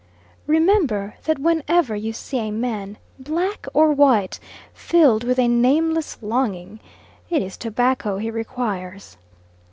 Remember that whenever you see a man, black or white, filled with a nameless longing, it is tobacco he requires.